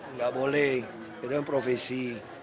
nggak boleh itu kan profesi